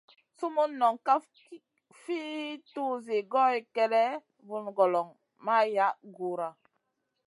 Sumun noŋ kaf fi tuzi goy kélèʼèh, vun goloŋ ma yaʼ Guhra.